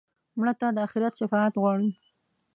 مړه ته د آخرت شفاعت غواړو